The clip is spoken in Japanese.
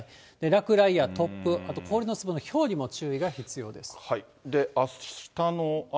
落雷や突風、あと氷の粒のひょうにも注意が必要です。